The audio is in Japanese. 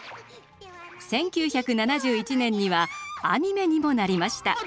１９７１年にはアニメにもなりました。